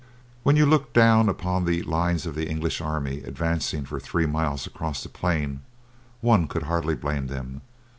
When you looked down upon the lines of the English army advancing for three miles across the plain, one could hardly blame them.